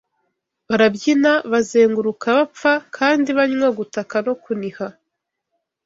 Barabyina bazenguruka bapfa kandi banywa gutaka no kuniha